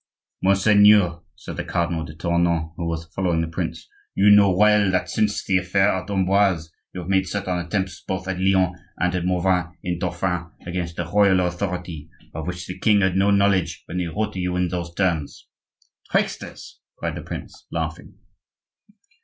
"Monseigneur," said the Cardinal de Tournon, who was following the prince, "you know well that since the affair at Amboise you have made certain attempts both at Lyon and at Mouvans in Dauphine against the royal authority, of which the king had no knowledge when he wrote to you in those terms." "Tricksters!" cried the prince, laughing.